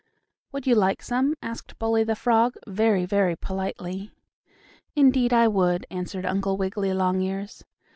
"Would you like some?" asked Bully, the frog, very, very politely. "Indeed I would," answered Uncle Wiggily Longears.